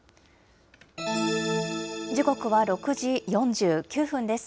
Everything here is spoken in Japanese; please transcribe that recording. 時刻は６時４９分です。